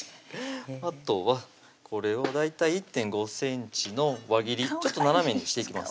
あとはこれを大体１．５ｃｍの輪切りちょっと斜めにしていきます